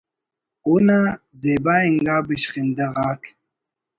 اونا زیبا انگا بشخندہ غاک